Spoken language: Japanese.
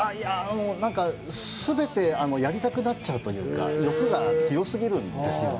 なんか、全てやりたくなっちゃうというか、欲が強過ぎるんですよね。